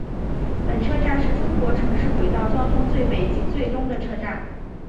本车站是中国城市轨道交通最北及最东的车站。